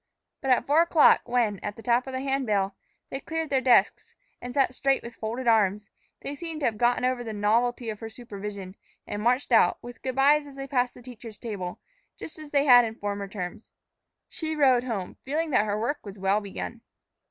But at four o'clock, when, at the tap of the hand bell, they cleared their desks and sat straight with folded arms, they seemed to have gotten over the novelty of her supervision, and marched out, with good bys as they passed the teacher's table, just as they had in former terms. She rode home, feeling that her work was well begun.